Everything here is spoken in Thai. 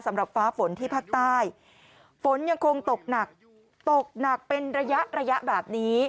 ฟ้าฝนที่ภาคใต้ฝนยังคงตกหนักตกหนักเป็นระยะระยะแบบนี้